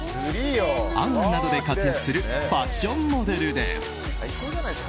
「ａｎ・ａｎ」などで活躍するファッションモデルです。